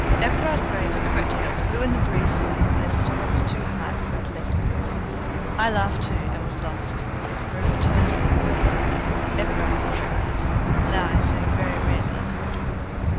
Everard Grey's coat tails flew in the breeze he made, and his collar was too high for athletic purposes. I laughed too, and was lost, and we returned to the veranda Everard in triumph, and I feeling very red and uncomfortable.